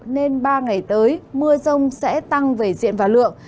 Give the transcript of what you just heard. nên ba ngày tới mưa rông sẽ tăng về diện và lượng